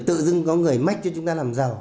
tự dưng có người mách cho chúng ta làm giàu